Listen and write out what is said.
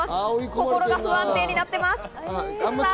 心が不安定になっています。